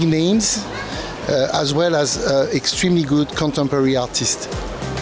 nama besar dan artis kontemporer yang sangat bagus